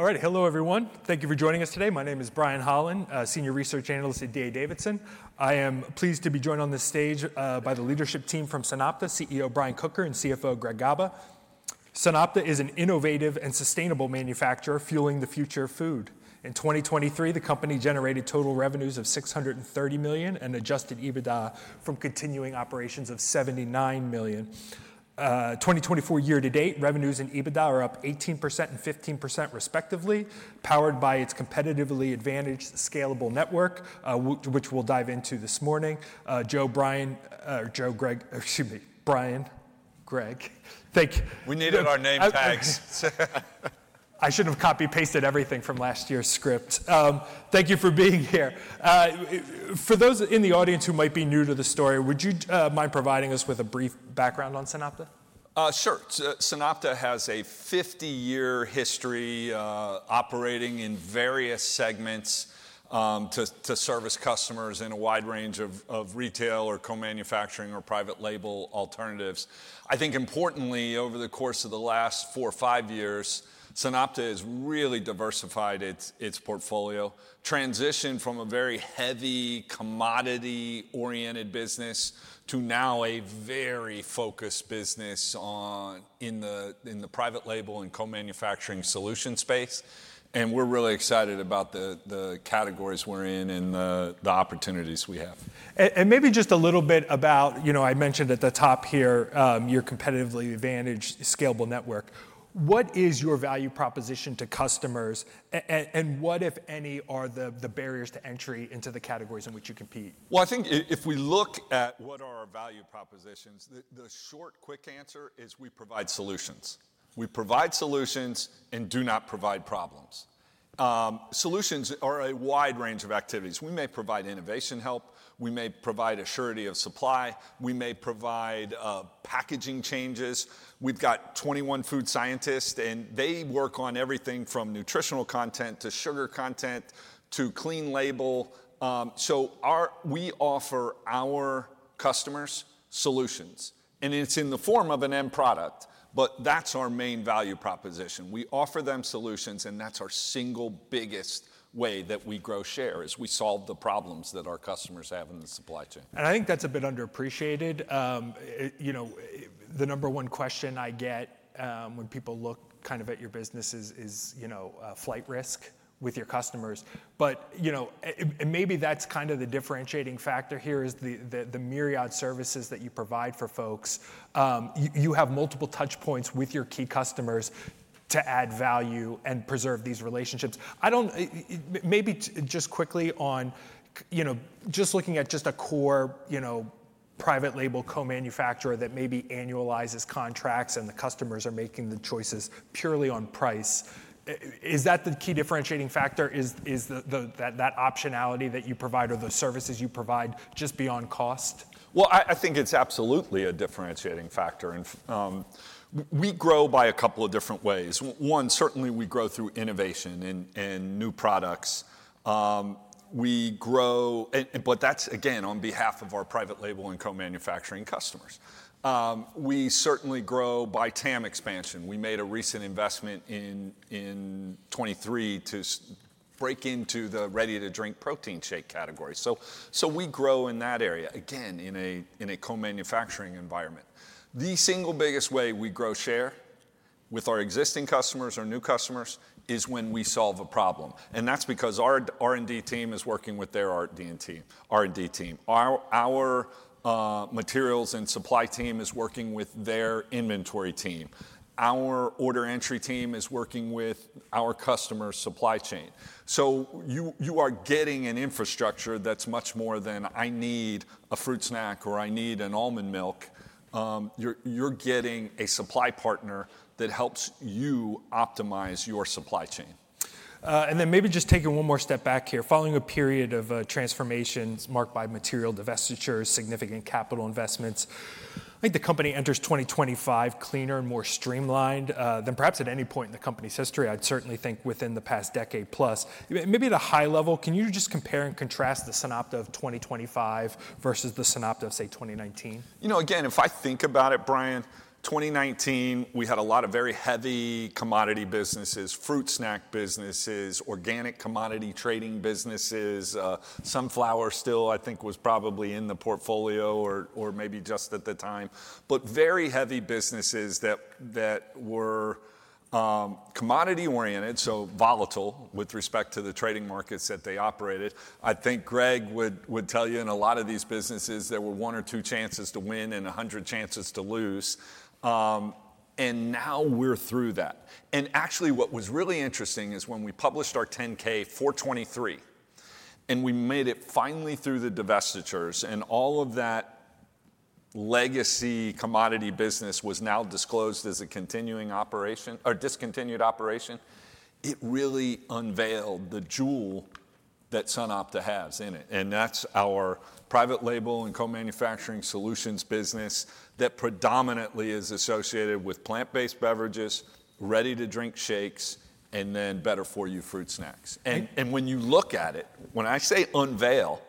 All right, hello, everyone. Thank you for joining us today. My name is Brian Holland, Senior Research Analyst at D.A. Davidson. I am pleased to be joined on this stage by the leadership team from SunOpta, CEO Brian Kocher and CFO Greg Gaba. SunOpta is an innovative and sustainable manufacturer fueling the future of food. In 2023, the company generated total revenues of $630 million and adjusted EBITDA from continuing operations of $79 million. 2024 year to date, revenues and EBITDA are up 18% and 15%, respectively, powered by its competitively advantaged, scalable network, which we'll dive into this morning. Brian, Greg, thank you. We needed our name tags. I should have copy-pasted everything from last year's script. Thank you for being here. For those in the audience who might be new to the story, would you mind providing us with a brief background on SunOpta? Sure. SunOpta has a 50-year history operating in various segments to service customers in a wide range of retail or co-manufacturing or private label alternatives. I think, importantly, over the course of the last four or five years, SunOpta has really diversified its portfolio, transitioned from a very heavy commodity-oriented business to now a very focused business in the private label and co-manufacturing solution space. And we're really excited about the categories we're in and the opportunities we have. Maybe just a little bit about, you know, I mentioned at the top here your competitively advantaged, scalable network. What is your value proposition to customers? And what, if any, are the barriers to entry into the categories in which you compete? I think if we look at what are our value propositions, the short, quick answer is we provide solutions. We provide solutions and do not provide problems. Solutions are a wide range of activities. We may provide innovation help. We may provide assurity of supply. We may provide packaging changes. We've got 21 food scientists, and they work on everything from nutritional content to sugar content to clean label. So we offer our customers solutions. And it's in the form of an end product, but that's our main value proposition. We offer them solutions, and that's our single biggest way that we grow share is we solve the problems that our customers have in the supply chain. And I think that's a bit underappreciated. You know, the number one question I get when people look kind of at your business is, you know, flight risk with your customers. But, you know, and maybe that's kind of the differentiating factor here is the myriad services that you provide for folks. You have multiple touch points with your key customers to add value and preserve these relationships. I don't maybe just quickly on, you know, just looking at just a core, you know, private label co-manufacturer that maybe annualizes contracts and the customers are making the choices purely on price. Is that the key differentiating factor? Is that optionality that you provide or the services you provide just beyond cost? I think it's absolutely a differentiating factor. We grow by a couple of different ways. One, certainly we grow through innovation and new products. We grow, but that's, again, on behalf of our private label and co-manufacturing customers. We certainly grow by TAM expansion. We made a recent investment in 2023 to break into the ready-to-drink protein shake category. We grow in that area, again, in a co-manufacturing environment. The single biggest way we grow share with our existing customers, our new customers, is when we solve a problem. That's because our R&D team is working with their R&D team. Our materials and supply team is working with their inventory team. Our order entry team is working with our customer supply chain. You are getting an infrastructure that's much more than I need a fruit snack or I need an almond milk. You're getting a supply partner that helps you optimize your supply chain. And then maybe just taking one more step back here, following a period of transformations marked by material divestitures, significant capital investments, I think the company enters 2025 cleaner and more streamlined than perhaps at any point in the company's history. I'd certainly think within the past decade plus. Maybe at a high level, can you just compare and contrast the SunOpta of 2025 versus the SunOpta of, say, 2019? You know, again, if I think about it, Brian, 2019, we had a lot of very heavy commodity businesses, fruit snack businesses, organic commodity trading businesses. Sunflower still, I think, was probably in the portfolio or maybe just at the time. But very heavy businesses that were commodity-oriented, so volatile with respect to the trading markets that they operated. I think Greg would tell you in a lot of these businesses there were one or two chances to win and 100 chances to lose. And now we're through that. And actually, what was really interesting is when we published our 10-K for 2023 and we made it finally through the divestitures and all of that legacy commodity business was now disclosed as a continuing operation or discontinued operation, it really unveiled the jewel that SunOpta has in it. And that's our private label and co-manufacturing solutions business that predominantly is associated with plant-based beverages, ready-to-drink shakes, and then better-for-you fruit snacks. And when you look at it, when I say unveil,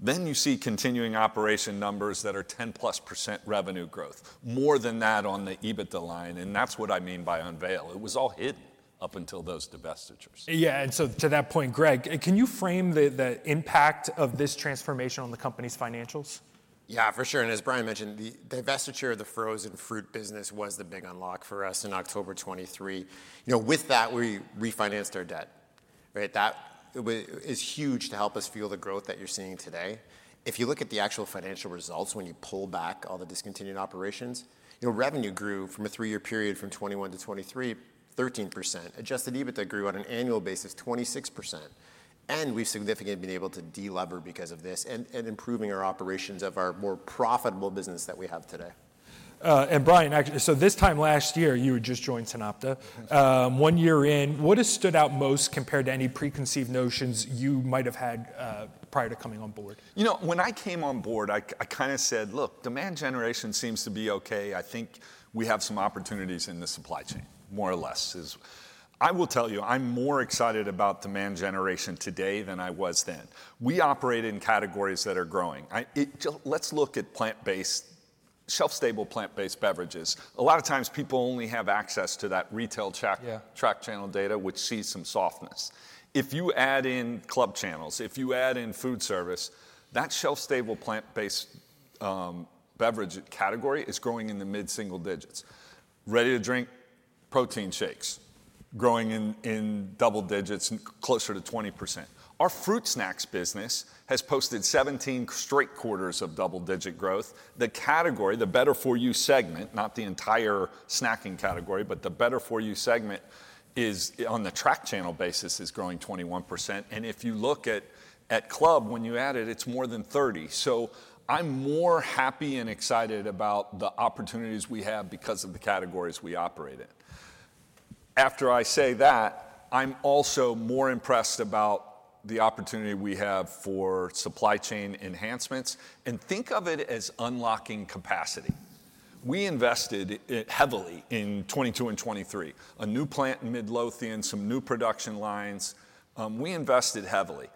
then you see continuing operation numbers that are 10 plus% revenue growth, more than that on the EBITDA line. And that's what I mean by unveil. It was all hidden up until those divestitures. Yeah. And so to that point, Greg, can you frame the impact of this transformation on the company's financials? Yeah, for sure. And as Brian mentioned, the divestiture of the frozen fruit business was the big unlock for us in October 2023. You know, with that, we refinanced our debt. Right? That is huge to help us fuel the growth that you're seeing today. If you look at the actual financial results, when you pull back all the discontinued operations, your revenue grew from a three-year period from 2021 to 2023, 13%. Adjusted EBITDA grew on an annual basis, 26%. And we've significantly been able to delever because of this and improving our operations of our more profitable business that we have today. Brian, actually, so this time last year, you had just joined SunOpta. One year in, what has stood out most compared to any preconceived notions you might have had prior to coming on board? You know, when I came on board, I kind of said, look, demand generation seems to be okay. I think we have some opportunities in the supply chain, more or less. I will tell you, I'm more excited about demand generation today than I was then. We operate in categories that are growing. Let's look at plant-based, shelf-stable plant-based beverages. A lot of times, people only have access to that retail trade channel data, which sees some softness. If you add in club channels, if you add in food service, that shelf-stable plant-based beverage category is growing in the mid-single digits. Ready-to-drink protein shakes growing in double digits, closer to 20%. Our fruit snacks business has posted 17 straight quarters of double-digit growth. The category, the better-for-you segment, not the entire snacking category, but the better-for-you segment is on the trade channel basis is growing 21%. If you look at club, when you add it, it's more than 30. So I'm more happy and excited about the opportunities we have because of the categories we operate in. After I say that, I'm also more impressed about the opportunity we have for supply chain enhancements. Think of it as unlocking capacity. We invested heavily in 2022 and 2023, a new plant in Midlothian, some new production lines. We invested heavily.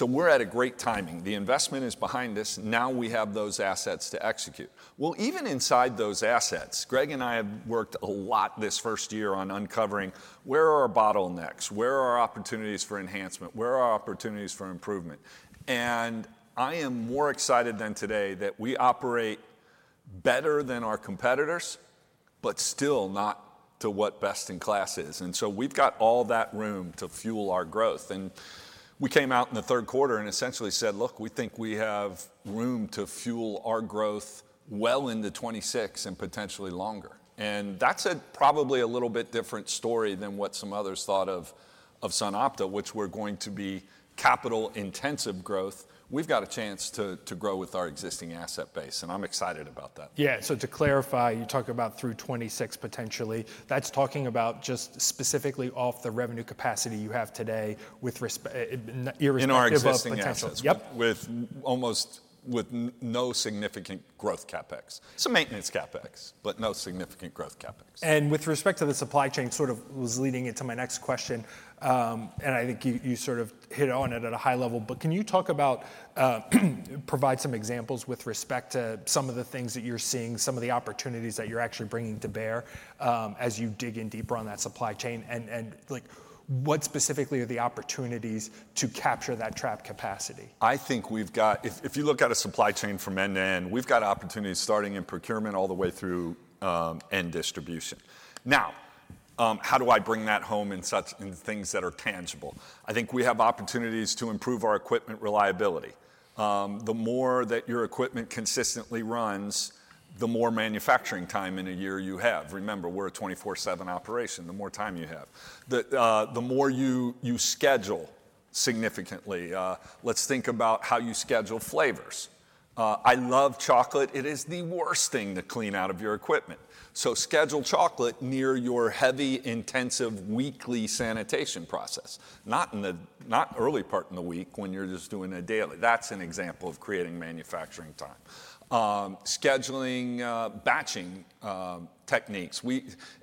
We're at a great timing. The investment is behind us. Now we have those assets to execute. Even inside those assets, Greg and I have worked a lot this first year on uncovering where are our bottlenecks, where are our opportunities for enhancement, where are our opportunities for improvement. I am more excited today that we operate better than our competitors, but still not to what best in class is. And so we've got all that room to fuel our growth. And we came out in the third quarter and essentially said, look, we think we have room to fuel our growth well into 2026 and potentially longer. And that's probably a little bit different story than what some others thought of SunOpta, which we're going to be capital-intensive growth. We've got a chance to grow with our existing asset base. And I'm excited about that. Yeah. So to clarify, you talk about through 2026 potentially. That's talking about just specifically off the revenue capacity you have today with respect to your existing assets. In our existing assets, yep, with almost no significant growth CapEx. Some maintenance CapEx, but no significant growth CapEx. With respect to the supply chain, sort of was leading into my next question. I think you sort of hit on it at a high level. Can you talk about, provide some examples with respect to some of the things that you're seeing, some of the opportunities that you're actually bringing to bear as you dig in deeper on that supply chain? What specifically are the opportunities to capture that trap capacity? I think we've got, if you look at a supply chain from end to end, we've got opportunities starting in procurement all the way through end distribution. Now, how do I bring that home in things that are tangible? I think we have opportunities to improve our equipment reliability. The more that your equipment consistently runs, the more manufacturing time in a year you have. Remember, we're a 24/7 operation. The more time you have, the more you schedule significantly. Let's think about how you schedule flavors. I love chocolate. It is the worst thing to clean out of your equipment. So schedule chocolate near your heavy intensive weekly sanitation process, not in the early part in the week when you're just doing a daily. That's an example of creating manufacturing time. Scheduling batching techniques.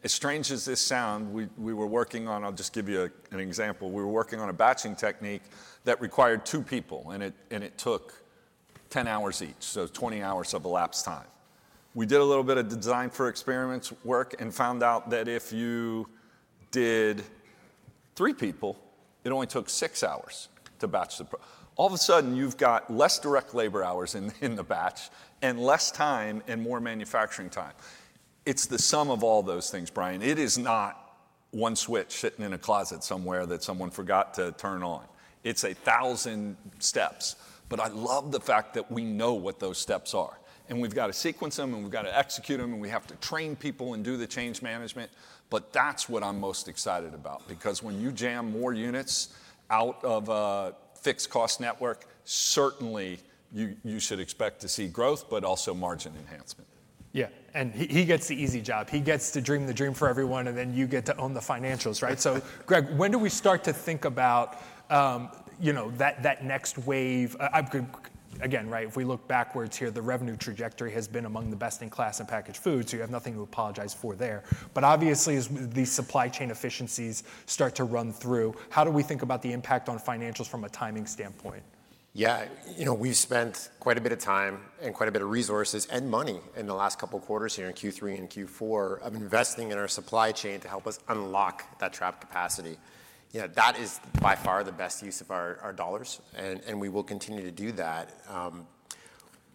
As strange as this sounds, we were working on, I'll just give you an example. We were working on a batching technique that required two people, and it took 10 hours each, so 20 hours of elapsed time. We did a little bit of design for experiments work and found out that if you did three people, it only took six hours to batch the product. All of a sudden, you've got less direct labor hours in the batch and less time and more manufacturing time. It's the sum of all those things, Brian. It is not one switch sitting in a closet somewhere that someone forgot to turn on. It's a thousand steps. But I love the fact that we know what those steps are. And we've got to sequence them, and we've got to execute them, and we have to train people and do the change management. But that's what I'm most excited about. Because when you jam more units out of a fixed cost network, certainly you should expect to see growth, but also margin enhancement. Yeah, and he gets the easy job. He gets to dream the dream for everyone, and then you get to own the financials, right? So Greg, when do we start to think about, you know, that next wave? Again, right, if we look backwards here, the revenue trajectory has been among the best in class in packaged foods. You have nothing to apologize for there, but obviously, as these supply chain efficiencies start to run through, how do we think about the impact on financials from a timing standpoint? Yeah. You know, we've spent quite a bit of time and quite a bit of resources and money in the last couple of quarters here in Q3 and Q4 of investing in our supply chain to help us unlock that plant capacity. You know, that is by far the best use of our dollars. And we will continue to do that.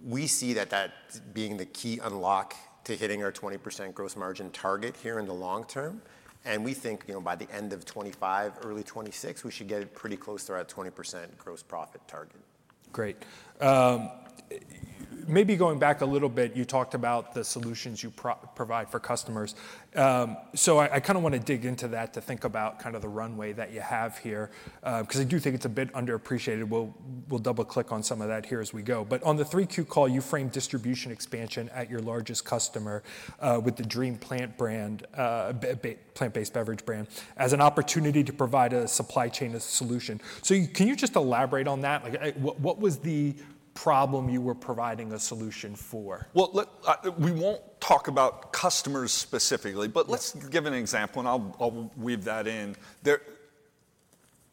We see that that being the key unlock to hitting our 20% gross margin target here in the long term. And we think, you know, by the end of 2025, early 2026, we should get pretty close to our 20% gross profit target. Great. Maybe going back a little bit, you talked about the solutions you provide for customers. So I kind of want to dig into that to think about kind of the runway that you have here. Because I do think it's a bit underappreciated. We'll double-click on some of that here as we go. But on the Q3 call, you framed distribution expansion at your largest customer with the DREAM plant-based beverage brand, a plant-based beverage brand, as an opportunity to provide a supply chain solution. So can you just elaborate on that? Like, what was the problem you were providing a solution for? Well, we won't talk about customers specifically, but let's give an example, and I'll weave that in.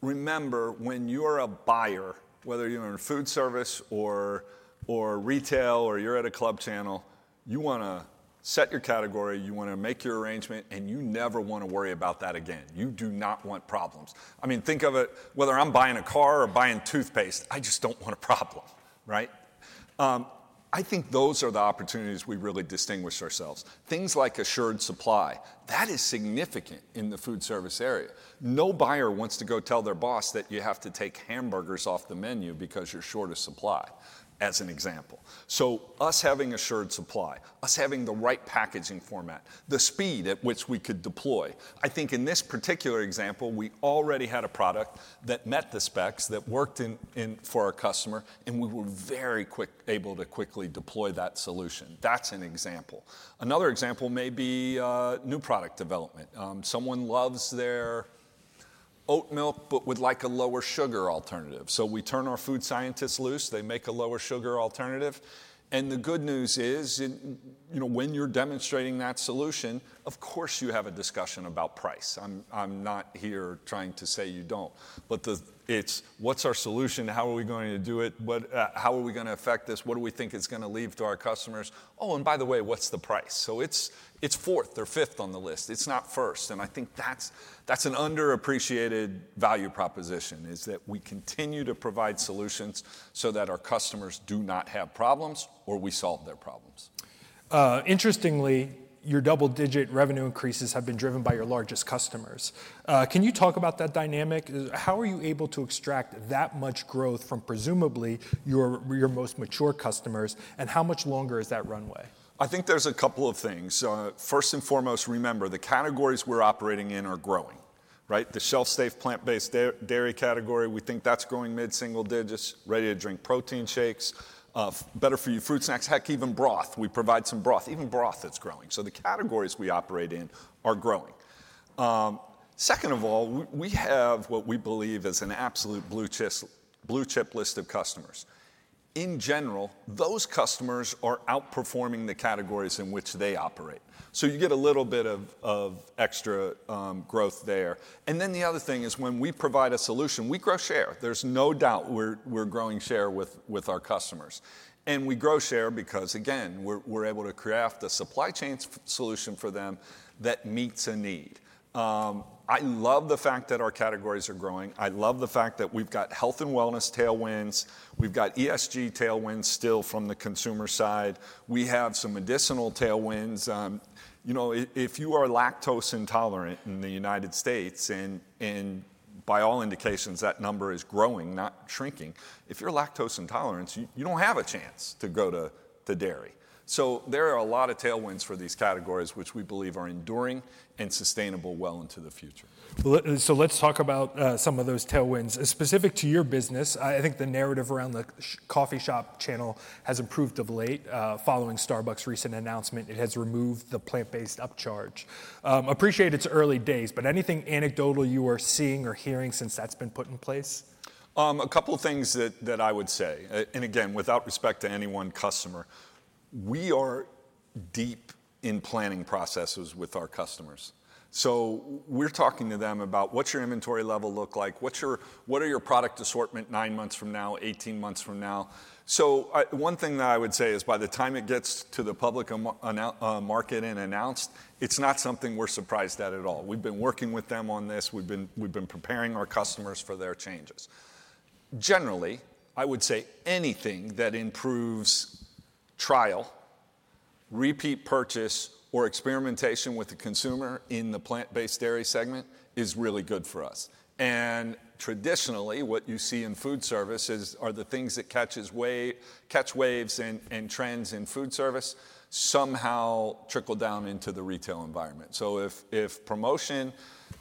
Remember, when you are a buyer, whether you're in food service or retail or you're at a club channel, you want to set your category, you want to make your arrangement, and you never want to worry about that again. You do not want problems. I mean, think of it, whether I'm buying a car or buying toothpaste, I just don't want a problem, right? I think those are the opportunities we really distinguish ourselves. Things like assured supply, that is significant in the food service area. No buyer wants to go tell their boss that you have to take hamburgers off the menu because you're short of supply, as an example. So us having assured supply, us having the right packaging format, the speed at which we could deploy, I think in this particular example, we already had a product that met the specs, that worked for our customer, and we were very quickly able to deploy that solution. That's an example. Another example may be new product development. Someone loves their oat milk, but would like a lower sugar alternative. So we turn our food scientists loose. They make a lower sugar alternative. And the good news is, you know, when you're demonstrating that solution, of course, you have a discussion about price. I'm not here trying to say you don't. But it's, what's our solution? How are we going to do it? How are we going to affect this? What do we think it's going to mean to our customers? Oh, and by the way, what's the price? So it's fourth or fifth on the list. It's not first. And I think that's an underappreciated value proposition, is that we continue to provide solutions so that our customers do not have problems or we solve their problems. Interestingly, your double-digit revenue increases have been driven by your largest customers. Can you talk about that dynamic? How are you able to extract that much growth from presumably your most mature customers? And how much longer is that runway? I think there's a couple of things. First and foremost, remember, the categories we're operating in are growing, right? The shelf-stable plant-based dairy category, we think that's growing mid-single digits, ready-to-drink protein shakes, better-for-you fruit snacks, heck, even broth. We provide some broth. Even broth that's growing. So the categories we operate in are growing. Second of all, we have what we believe is an absolute blue chip list of customers. In general, those customers are outperforming the categories in which they operate. So you get a little bit of extra growth there. And then the other thing is when we provide a solution, we grow share. There's no doubt we're growing share with our customers. And we grow share because, again, we're able to craft a supply chain solution for them that meets a need. I love the fact that our categories are growing. I love the fact that we've got health and wellness tailwinds. We've got ESG tailwinds still from the consumer side. We have some medicinal tailwinds. You know, if you are lactose intolerant in the United States, and by all indications, that number is growing, not shrinking. If you're lactose intolerant, you don't have a chance to go to dairy. So there are a lot of tailwinds for these categories, which we believe are enduring and sustainable well into the future. So let's talk about some of those tailwinds. Specific to your business, I think the narrative around the coffee shop channel has improved of late following Starbucks' recent announcement. It has removed the plant-based upcharge. Appreciate it's early days, but anything anecdotal you are seeing or hearing since that's been put in place? A couple of things that I would say, and again, without respect to any one customer, we are deep in planning processes with our customers. So we're talking to them about what's your inventory level look like? What are your product assortment nine months from now, 18 months from now? So one thing that I would say is by the time it gets to the public market and announced, it's not something we're surprised at at all. We've been working with them on this. We've been preparing our customers for their changes. Generally, I would say anything that improves trial, repeat purchase, or experimentation with the consumer in the plant-based dairy segment is really good for us, and traditionally, what you see in food service are the things that catch waves and trends in food service somehow trickle down into the retail environment. So, if promotion,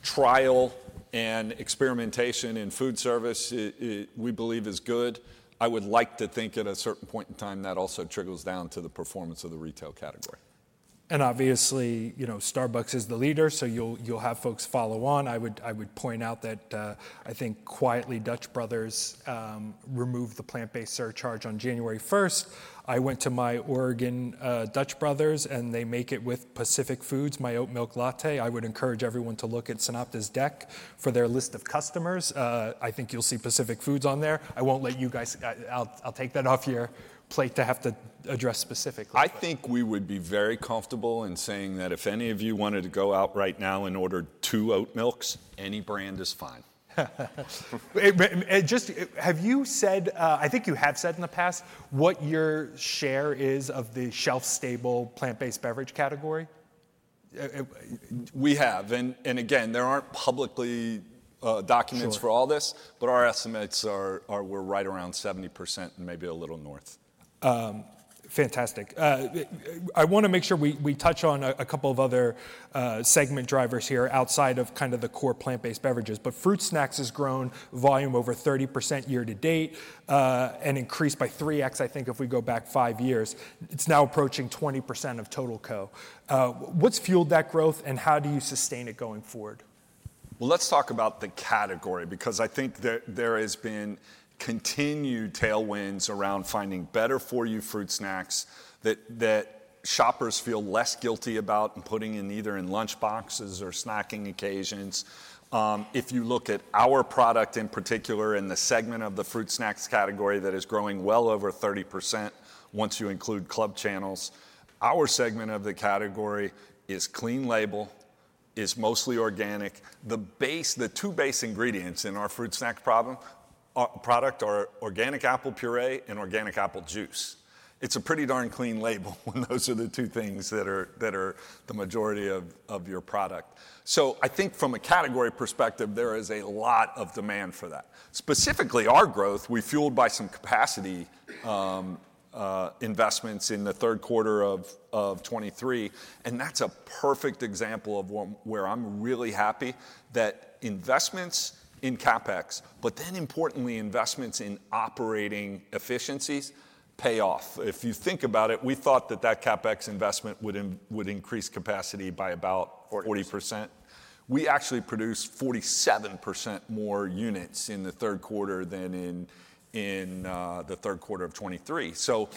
trial, and experimentation in food service, we believe, is good, I would like to think at a certain point in time that also trickles down to the performance of the retail category. Obviously, you know, Starbucks is the leader, so you'll have folks follow on. I would point out that I think quietly Dutch Bros removed the plant-based surcharge on January 1st. I went to my Oregon Dutch Bros, and they make it with Pacific Foods, my oat milk latte. I would encourage everyone to look at SunOpta's deck for their list of customers. I think you'll see Pacific Foods on there. I won't let you guys, I'll take that off your plate to have to address specifically. I think we would be very comfortable in saying that if any of you wanted to go out right now and order two oat milks, any brand is fine. Have you said, I think you have said in the past, what your share is of the shelf-stable plant-based beverage category? We have. And again, there aren't public documents for all this, but our estimates are we're right around 70% and maybe a little north. Fantastic. I want to make sure we touch on a couple of other segment drivers here outside of kind of the core plant-based beverages. But fruit snacks has grown volume over 30% year to date and increased by 3x, I think, if we go back five years. It's now approaching 20% of total co. What's fueled that growth, and how do you sustain it going forward? Let's talk about the category, because I think there has been continued tailwinds around finding better-for-you fruit snacks that shoppers feel less guilty about putting in either lunchboxes or snacking occasions. If you look at our product in particular in the segment of the fruit snacks category that is growing well over 30% once you include club channels, our segment of the category is clean label, is mostly organic. The two base ingredients in our fruit snack product are organic apple puree and organic apple juice. It's a pretty darn clean label when those are the two things that are the majority of your product. So I think from a category perspective, there is a lot of demand for that. Specifically, our growth we fueled by some capacity investments in the third quarter of 2023. That's a perfect example of where I'm really happy that investments in CapEx, but then importantly, investments in operating efficiencies pay off. If you think about it, we thought that that CapEx investment would increase capacity by about 40%. We actually produced 47% more units in the third quarter than in the third quarter of 2023. So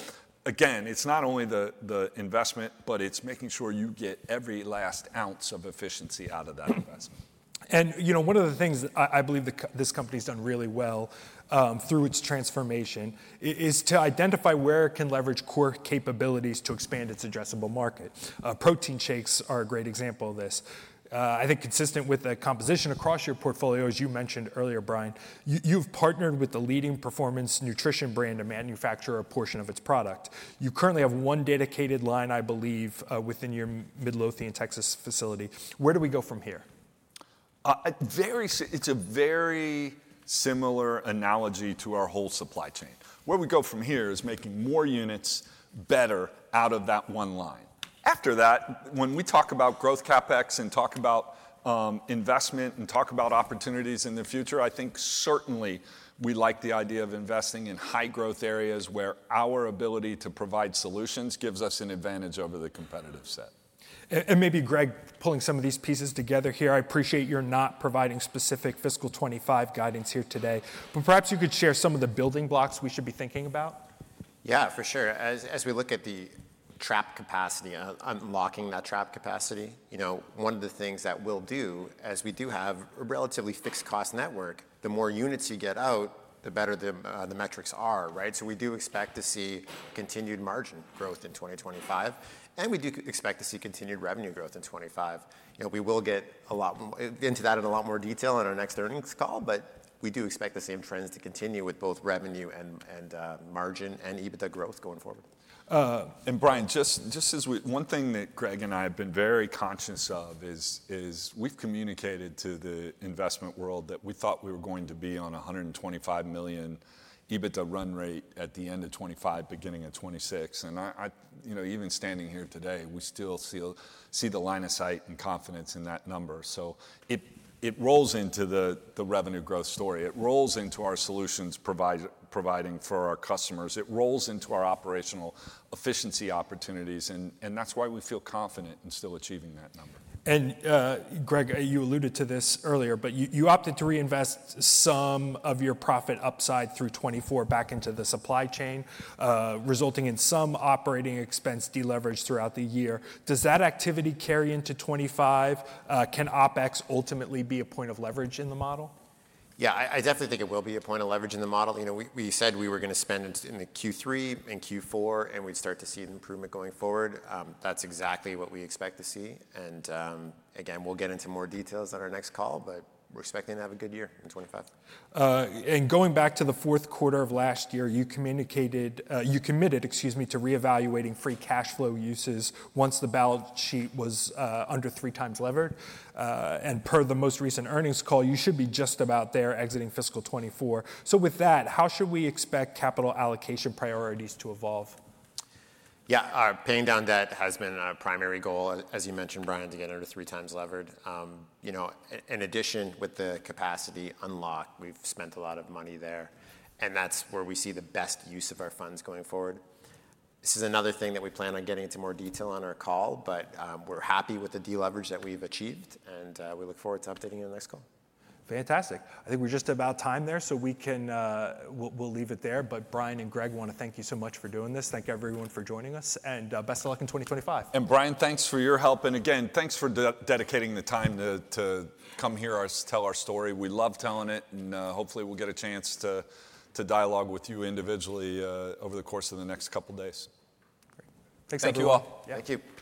again, it's not only the investment, but it's making sure you get every last ounce of efficiency out of that investment. You know, one of the things I believe this company has done really well through its transformation is to identify where it can leverage core capabilities to expand its addressable market. Protein shakes are a great example of this. I think consistent with the composition across your portfolio, as you mentioned earlier, Brian, you've partnered with the leading performance nutrition brand to manufacture a portion of its product. You currently have one dedicated line, I believe, within your Midlothian, Texas facility. Where do we go from here? It's a very similar analogy to our whole supply chain. Where we go from here is making more units better out of that one line. After that, when we talk about growth CapEx and talk about investment and talk about opportunities in the future, I think certainly we like the idea of investing in high-growth areas where our ability to provide solutions gives us an advantage over the competitive set. And maybe Greg, pulling some of these pieces together here, I appreciate you're not providing specific fiscal 2025 guidance here today, but perhaps you could share some of the building blocks we should be thinking about? Yeah, for sure. As we look at the plant capacity, unlocking that plant capacity, you know, one of the things that we'll do, as we do have a relatively fixed cost network, the more units you get out, the better the metrics are, right? So we do expect to see continued margin growth in 2025. And we do expect to see continued revenue growth in 2025. You know, we will get a lot into that in a lot more detail in our next earnings call, but we do expect the same trends to continue with both revenue and margin and EBITDA growth going forward. And Brian, just as one thing that Greg and I have been very conscious of is we've communicated to the investment world that we thought we were going to be on a $125 million EBITDA run rate at the end of 2025, beginning of 2026. And you know, even standing here today, we still see the line of sight and confidence in that number. So it rolls into the revenue growth story. It rolls into our solutions providing for our customers. It rolls into our operational efficiency opportunities. And that's why we feel confident in still achieving that number. Greg, you alluded to this earlier, but you opted to reinvest some of your profit upside through 2024 back into the supply chain, resulting in some operating expense deleveraged throughout the year. Does that activity carry into 2025? Can OpEx ultimately be a point of leverage in the model? Yeah, I definitely think it will be a point of leverage in the model. You know, we said we were going to spend in the Q3 and Q4, and we'd start to see an improvement going forward. That's exactly what we expect to see, and again, we'll get into more details on our next call, but we're expecting to have a good year in 2025. Going back to the fourth quarter of last year, you committed, excuse me, to reevaluating free cash flow uses once the balance sheet was under three times levered. Per the most recent earnings call, you should be just about there exiting fiscal 2024. With that, how should we expect capital allocation priorities to evolve? Yeah, paying down debt has been our primary goal, as you mentioned, Brian, to get under three times levered. You know, in addition, with the capacity unlocked, we've spent a lot of money there. And that's where we see the best use of our funds going forward. This is another thing that we plan on getting into more detail on our call, but we're happy with the deleverage that we've achieved. And we look forward to updating you on the next call. Fantastic. I think we're just about time there, so we'll leave it there. But Brian and Greg, I want to thank you so much for doing this. Thank everyone for joining us, and best of luck in 2025. Brian, thanks for your help. Again, thanks for dedicating the time to come here, tell our story. We love telling it. Hopefully we'll get a chance to dialogue with you individually over the course of the next couple of days. Thanks a lot. Thank you all. Thank you.